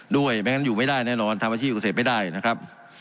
ไม่งั้นอยู่ไม่ได้แน่นอนทำอาชีพเกษตรไม่ได้นะครับ